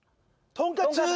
とんかつー！